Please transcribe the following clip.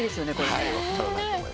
はい。